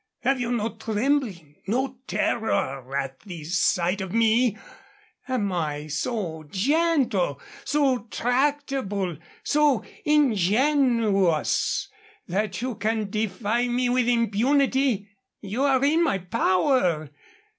Have you no trembling, no terror at the sight of me? Am I so gentle, so tractable, so ingenuous that you can defy me with impunity? You are in my power.